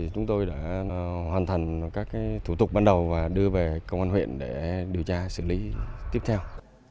chúng tôi đã hoàn thành các thủ tục ban đầu và đưa về công an huyện để điều tra xử lý tiếp theo